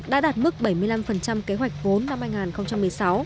đã đạt mức bảy mươi năm kế hoạch vốn năm hai nghìn một mươi sáu